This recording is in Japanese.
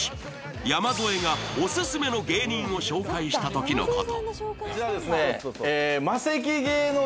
山添がオススメの芸人を紹介したときのこと。